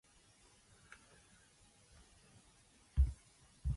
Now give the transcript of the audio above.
The remaining value is then popped and stored in the first local.